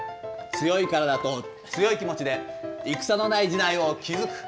強い体と強い気持ちで、戦のない時代を築く。